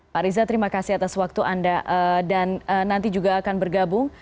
pak riza terima kasih atas waktu anda dan nanti juga akan bergabung